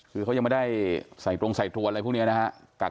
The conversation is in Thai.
คือเขายังไม่ได้ใส่ตรงใส่ธัวร์อะไรพวกเนี่ยนะครับ